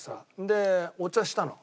でお茶したの。